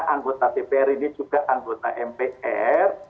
anggota dpr ini juga anggota mpr